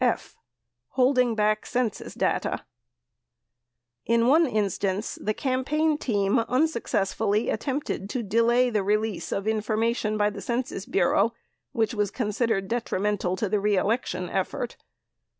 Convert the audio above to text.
/. Holding Back Census Data In one instance, the campaign team unsuccessfully attempted to delay the release of information by the Census Bureau which was considered detrimental to the reelection effort.